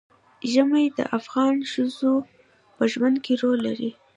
ژمی د افغان ښځو په ژوند کې رول لري.